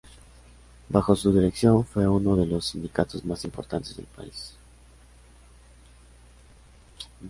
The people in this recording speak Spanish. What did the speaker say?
Bajo su dirección fue uno de los sindicatos más importantes del país.